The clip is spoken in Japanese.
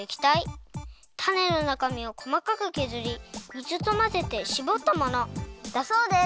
タネのなかみをこまかくけずり水とまぜてしぼったものだそうです。